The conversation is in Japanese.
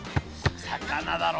魚だろ？